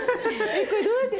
えっこれどうやって？